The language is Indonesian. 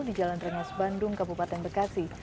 di jalan rengas bandung kabupaten bekasi